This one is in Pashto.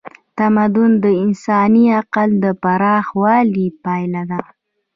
تمدن د انساني عقل د پراخوالي پایله ده.